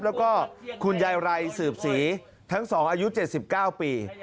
แล้วก็คุณยายไรสืบศรีทั้ง๒อายุ๗๙ปี